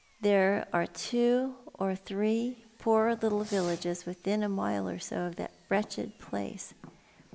Tliere are two or three poor little villages within a mile or so of that wretched place.